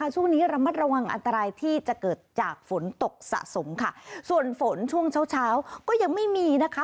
ส่วนฝนช่วงเช้าก็ยังไม่มีนะคะ